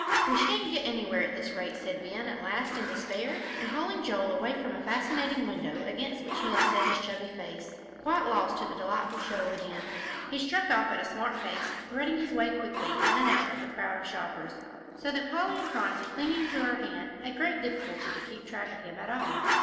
"We shan't get anywhere at this rate," said Ben, at last, in despair, and, hauling Joel away from a fascinating window against which he had set his chubby face, quite lost to the delightful show within, he struck off at a smart pace, threading his way quickly in and out of the crowd of shoppers, so that Polly and Phronsie, clinging to her hand, had great difficulty to keep track of him at all.